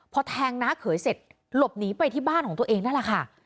พอแทงน้าเขยเสร็จหลบหนีไปที่บ้านของตัวเองนั่นแหละค่ะ